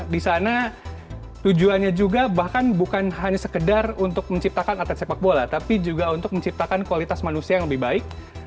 di sana tujuannya juga bahkan bukan hanya sekedar untuk menciptakan atlet sepak bola tapi juga untuk menciptakan kualitas manusia yang lebih baik